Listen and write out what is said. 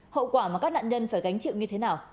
hậu quả mà các nạn nhân phải gánh chịu như thế nào